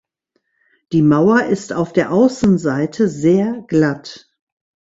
Die Mauer ist auf der Außenseite sehr glatt.